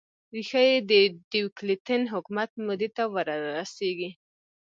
ریښه یې د ډیوکلتین حکومت مودې ته ور رسېږي.